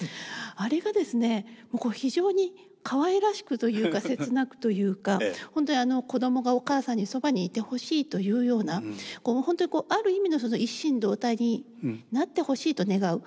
あれがですねもう非常にかわいらしくというか切なくというか本当に子どもがお母さんにそばにいてほしいと言うような本当にある意味一心同体になってほしいと願う。